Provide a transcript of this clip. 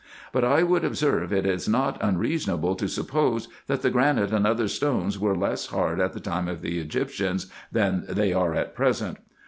But I would observe it is not unreasonable to suppose, that the granite and other stones were less hard at the time of the Egyptians, than they are at present.